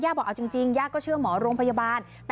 บอกเอาจริงย่าก็เชื่อหมอโรงพยาบาล